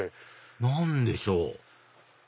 何でしょう？